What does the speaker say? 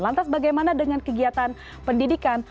lantas bagaimana dengan kegiatan pendidikan